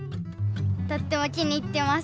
とっても気に入ってます。